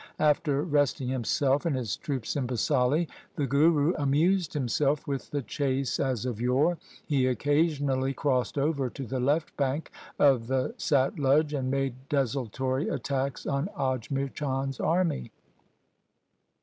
After resting himself and his troops in Basali, the Guru amused himself with the chase as of yore. He occasionally crossed over to the left bank of the Satluj and made desultory attacks on Ajmer Chand's army.